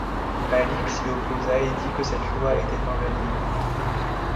Malik s'y opposa et dit que cette loi était invalide.